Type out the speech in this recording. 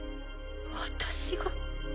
私が？